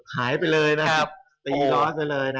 หายไปเลยนะตีรอดไปเลยนะ